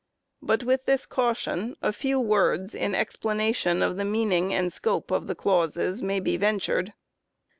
But, with this caution, a few words, in explanation of the mean ing and scope of the clauses, may be ventured.